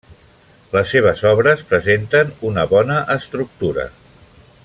Les seves obres presenten una bona estructura.